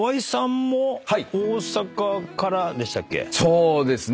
そうですね。